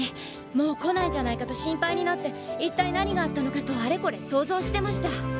もう来ないんじゃないかと心配になって一体何があったのかとあれこれ想像してました。